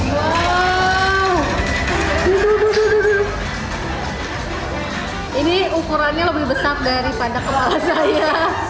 wow ini ukurannya lebih besar daripada kru asal saya